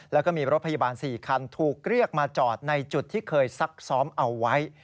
แล้วก็มีรถพยาบาล๔คันถูกเรียกมาจอดในจุดที่เคยซักซ้อมเอาไว้